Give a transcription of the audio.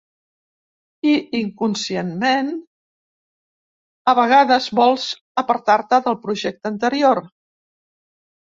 I inconscientment, a vegades vols apartar-te del projecte anterior.